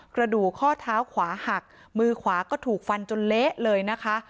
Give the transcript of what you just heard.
กระดูกข้อเท้าขวาหักมือขวาก็ถูกฟันจนเละเลยนะคะ